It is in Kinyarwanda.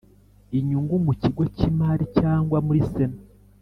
inyungu mu kigo cy imari cyangwa muri sena